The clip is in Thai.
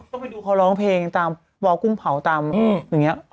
ก็ไปดูเขาร้องเพลงตามวาวกุ้งเผาตามอย่างนี้